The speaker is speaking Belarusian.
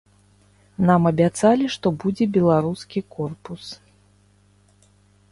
Нам абяцалі, што будзе беларускі корпус.